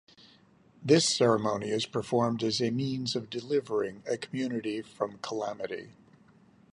This ceremony is performed as a means of delivering a community from calamity.